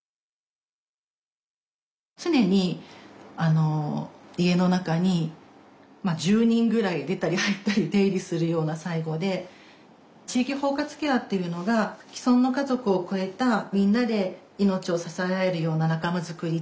常に家の中に１０人ぐらい出たり入ったり出入りするような最期で地域包括ケアっていうのが既存の家族を超えたみんなで命を支え合えるような仲間づくり